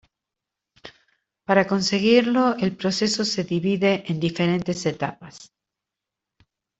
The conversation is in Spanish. Para conseguirlo, el proceso se divide en diferentes etapas.